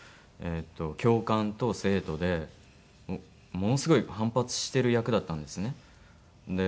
教官と生徒でものすごい反発してる役だったんですね。